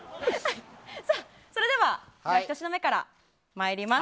それでは１品目から参ります。